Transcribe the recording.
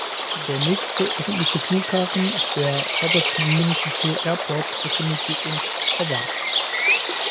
Der nächste öffentliche Flughafen, der Hobart Municipal Airport, befindet sich in Hobart.